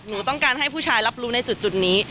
หนูต้องการให้ผู้ชายรับรู้ในจุดนี้